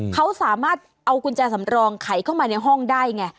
เขาสามารถเอากุญแจสำรองไขเข้ามาในห้องได้ไง